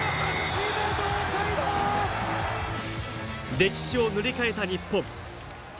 歴史を塗り替えた日本。